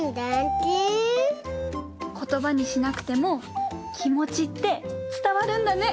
ことばにしなくてもきもちってつたわるんだね！